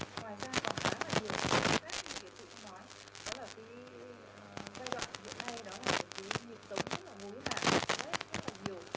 ngoài ra còn khá là nhiều khác như kể từng nói đó là cái giai đoạn hiện nay đó là cái việc sống rất là gối lạc rất là nhiều